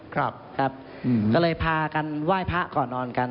ครับครับก็เลยพากันไหว้พระก่อนนอนกัน